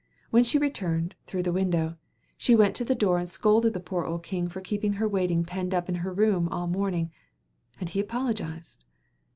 When she returned through the window she went to the door and scolded the poor old king for keeping her waiting penned up in her room all the morning. And he apologized.